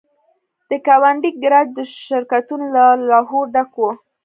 د ګاونډۍ ګراج د شرکتونو له لوحو ډک و